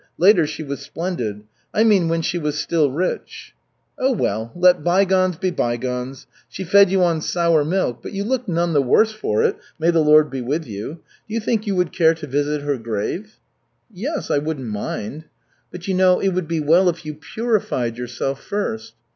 Later she was splendid. I mean when she was still rich." "Oh, well, let bygones be bygones. She fed you on sour milk, but you look none the worse for it, may the Lord be with you. Do you think you would care to visit her grave?" "Yes, I wouldn't mind." "But you know, it would be well if you purified yourself first."